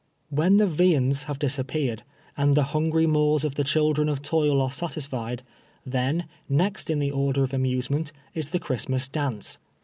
"When the viands have disappeared, and the hungry maws of the children of toil are satislied, then, next in the order of amusement, is the Christmas dance.